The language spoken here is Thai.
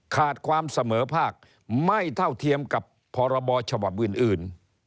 ขาดความเสมอภาคไม่เท่าเทียมกับพรบฉบับอื่น